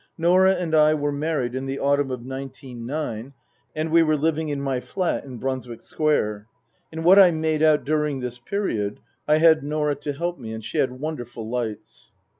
Norah and I were married in the autumn of nineteen nine, and we were living in my flat in Brunswick Square. In what I made out during this period I had Norah to help me, and she had wonderful lights.